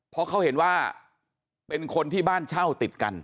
เพราะเขาเห็นว่าเป็นคนที่บ้านเช่าติดกัน